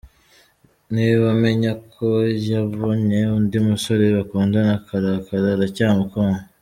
Niba amenya ko yabonye undi musore bakundana akarakara, aracyamukunda.